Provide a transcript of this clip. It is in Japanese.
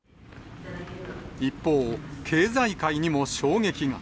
一方、経済界にも衝撃が。